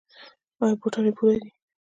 ایا بوټان یې پوره دي؟